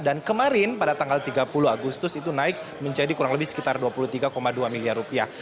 dan kemarin pada tanggal tiga puluh agustus itu naik menjadi kurang lebih sekitar dua puluh tiga dua miliar rupiah